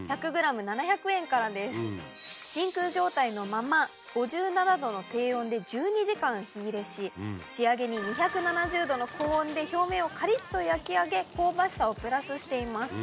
真空状態のまま５７℃の低温で１２時間火入れし仕上げに２７０℃の高温で表面をカリっと焼き上げ香ばしさをプラスしています。